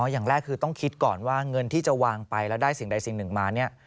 อย่างแรกคือต้องคิดก่อนว่าเงินที่จะวางไปแล้วได้สิ่งใดสิ่งหนึ่งมาเนี่ย